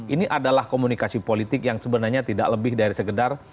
ini adalah komunikasi politik yang sebenarnya tidak lebih dari sekedar